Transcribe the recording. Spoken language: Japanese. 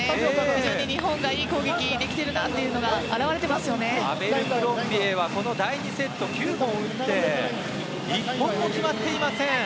それだけ日本がいい攻撃できているんだなアベルクロンビエはこの第２セット、９本打って１本も決まっていません。